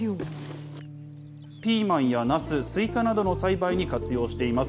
ピーマンやナス、スイカなどの栽培に活用しています。